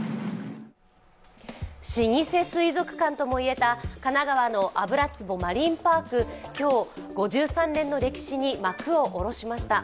老舗水族館ともいえた神奈川の油壺マリンパーク、今日５３年の歴史に幕を下ろしました。